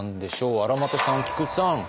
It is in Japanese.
荒俣さん菊地さん！